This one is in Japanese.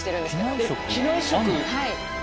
はい。